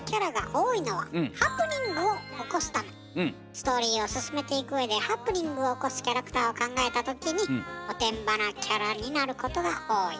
ストーリーを進めていくうえでハプニングを起こすキャラクターを考えた時におてんばなキャラになることが多い。